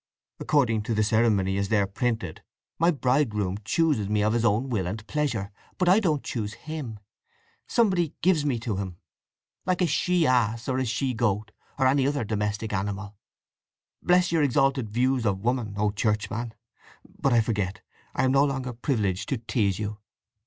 According to the ceremony as there printed, my bridegroom chooses me of his own will and pleasure; but I don't choose him. Somebody gives me to him, like a she ass or she goat, or any other domestic animal. Bless your exalted views of woman, O churchman! But I forget: I am no longer privileged to tease you.